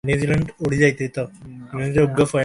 তিনি পিতা দেবেন্দ্রনাথ ঠাকুরকে নিয়ে রচনা করেন পিতৃস্মৃতি।